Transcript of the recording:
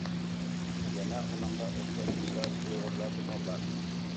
يەنە ئۇنىڭغا ئوخشاش ئىشلار ئۇيغۇرلاردىمۇ بار.